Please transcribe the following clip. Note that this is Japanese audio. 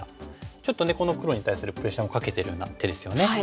ちょっとこの黒に対するプレッシャーもかけてるような手ですよね。